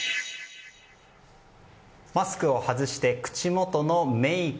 マスクを外して口元のメイク。